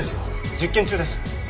実験中です。